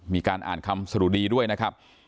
มีการอ่านคำสะดุดีด้วยนะครับ